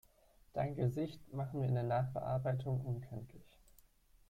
Dein Gesicht machen wir in der Nachbearbeitung unkenntlich.